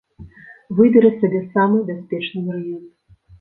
Выберы самы бяспечны варыянт.